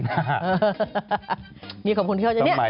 นี่ขอบคุณที่เขาจะเนี่ยมันต้องกินแบบนี้